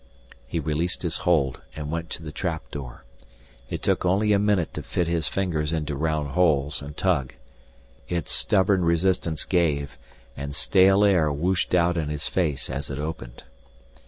He released his hold and went to the trap door. It took only a minute to fit his fingers into round holes and tug. Its stubborn resistance gave, and stale air whooshed out in his face as it opened.